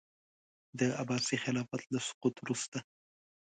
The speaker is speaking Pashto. د عباسي خلافت له سقوط وروسته.